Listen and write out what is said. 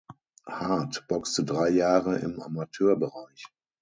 Harth boxte drei Jahre im Amateurbereich.